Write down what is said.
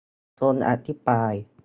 จงอภิปราย